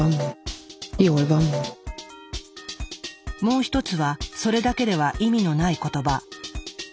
もう一つはそれだけでは意味のない言葉。